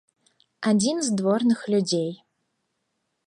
Адзін з дворных людзей.